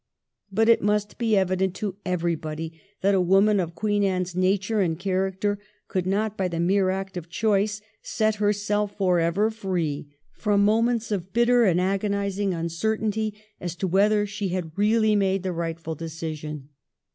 But it must be evident to everybody that a woman of Queen Anne's nature and character could not by the mere act of choice set herself for ever free from moments of bitter and agonizing uncer tainty as to whether she had really made the rightful decision.